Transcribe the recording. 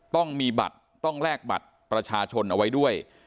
ต้องมีบัตรต้องแลกบัตรประชาชนเอาไว้ด้วย